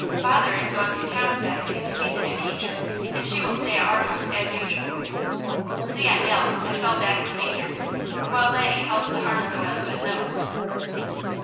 "Father is going to town Saturday to meet the new teacher and she will stay at our house as usual." Leon yelled and fell back in a manger, while Laddie held harness oil to his nose.